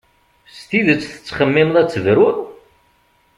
S tidet tettxemmimeḍ ad tebrud?